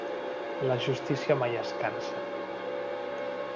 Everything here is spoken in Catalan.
La justícia mai es cansa.